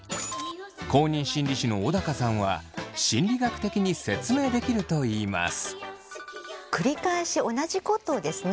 公認心理師の小高さんは心理学的に説明できるといいます。